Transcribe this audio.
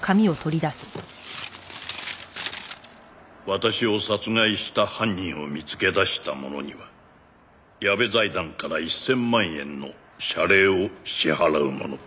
「私を殺害した犯人を見つけ出した者には矢部財団から壱千万円の謝礼を支払うものとする」